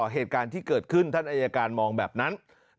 เหตุการณ์ที่เกิดขึ้นท่านอายการมองแบบนั้น